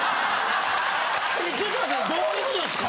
えちょっと待ってどういうことですか？